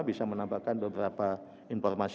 bisa menampilkan beberapa informasi